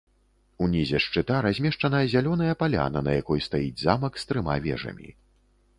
Унізе шчыта размешчана зялёная паляна, на якой стаіць замак з трыма вежамі.